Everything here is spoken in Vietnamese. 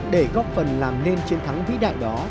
để góp phần làm nên chiến thắng vĩ đại đó